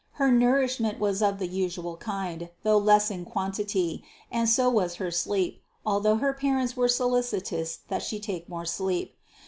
Her nourishment was of the usual kind, though less in quantity; and so was her sleep, although her parents were solicitous that She take more sleep.